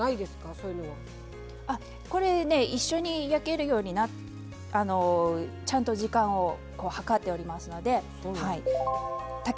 あっこれね一緒に焼けるようにちゃんと時間を計っておりますので。